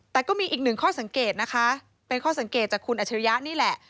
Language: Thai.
แต่ก็มีอีกหนึ่งข้อสังเกตนะคะเป็นข้อสังเกตจากคุณอัชริยะนี่แหละ